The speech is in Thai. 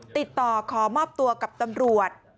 ติดต่อขอมอบตัวกับตำรวจ